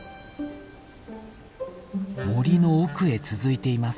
森の奥へ続いています。